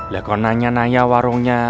lah kok nanya naya warungnya